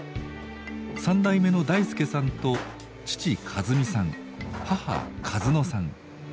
３代目の大介さんと父一己さん母一乃さん。